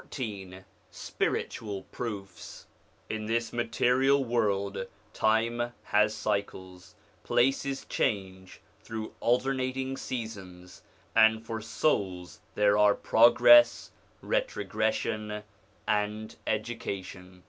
XIV SPIRITUAL PROOFS IN this material world time has cycles ; places change through alternating seasons, and for souls there are progress, retrogression, and education.